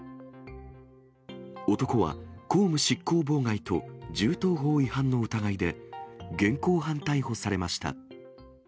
男は公務執行妨害と銃刀法違反の疑いで、現行犯逮捕されました。